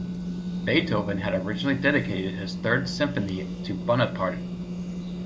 Beethoven had originally dedicated his Third Symphony to Bonaparte.